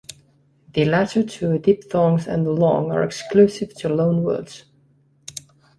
The latter two diphthongs and the long are exclusive to loanwords.